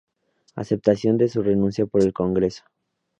Aceptación de su renuncia por el Congreso.